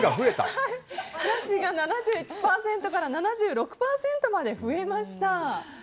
なしが７１％から７６％まで増えました。